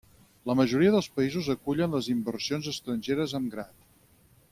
La majoria dels països acullen les inversions estrangeres amb grat.